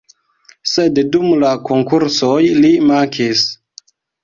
Sed dum la konkursoj li mankis.